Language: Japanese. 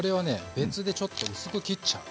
別でちょっと薄く切っちゃう。